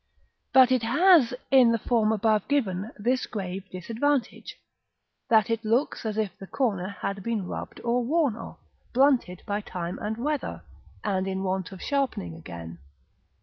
[Illustration: Fig. LIII.] But it has, in the form above given, this grave disadvantage, that it looks as if the corner had been rubbed or worn off, blunted by time and weather, and in want of sharpening again.